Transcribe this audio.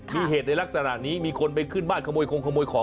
มีเหตุในลักษณะนี้มีคนไปขึ้นบ้านขโมยคงขโมยของ